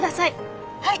はい。